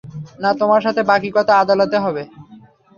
না, তোমার সাথে বাকী কথা আদালতে হবে।